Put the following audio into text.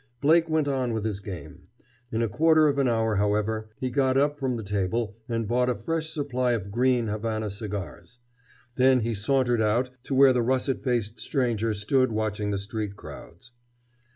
Blake went on with his game. In a quarter of an hour, however, he got up from the table and bought a fresh supply of "green" Havana cigars. Then he sauntered out to where the russet faced stranger stood watching the street crowds.